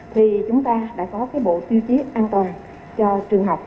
thì chúng ta đã có bộ tiêu chí an toàn cho trường học